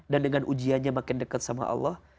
dan dengan ujiannya makin dekat sama allah